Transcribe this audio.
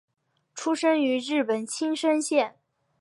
出身于日本青森县。